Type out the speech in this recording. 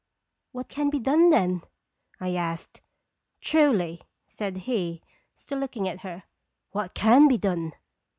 "What can be done then?" I asked. " Truly," said he, still looking at her, " what can be done?"